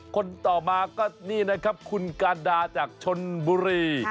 คนต่อมาก็คุณกาดาจากชนบุรี